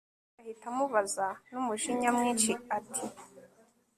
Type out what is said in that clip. david ahita amubaza numujinya mwinshi ati